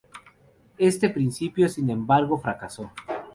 Este principio, sin embargo, fracasó.